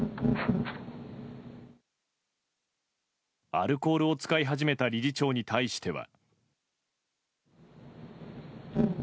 アルコールを使い始めた理事長に対しては。